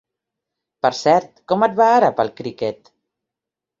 Per cert, com et va ara pel cricket?